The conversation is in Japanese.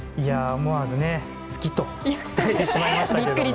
思わず好きと伝えてしまいましたけど。